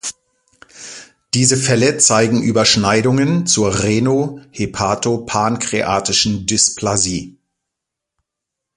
Diese Fälle zeigen Überschneidungen zur reno-hepato-pankreatischen Dysplasie.